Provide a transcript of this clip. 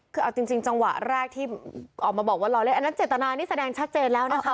คือเอาจริงจังหวะแรกที่ออกมาบอกว่ารอเล่นอันนั้นเจตนานี่แสดงชัดเจนแล้วนะคะ